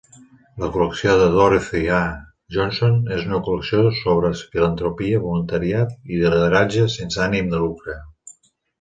La col·lecció de Dorothy A. Johnson és una col·lecció sobre filantropia, voluntariat i lideratge sense ànim de lucre.